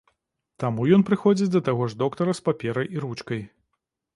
Таму ён прыходзіць да таго ж доктара з паперай і ручкай.